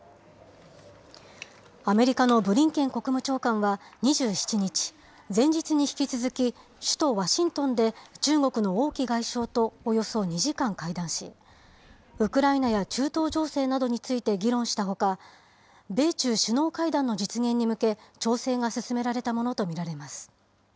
アメリカのブリンケン国務長官は２７日、前日に引き続き、首都ワシントンで中国の王毅外相とおよそ２時間、会談し、ウクライナや中東情勢などについて議論したほか、米中首脳会談の実現に向け、調整が進められたものと見られます。